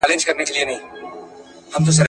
جانان پر سرو سترګو مین دی.